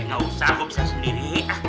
nggak usah aku bisa sendiri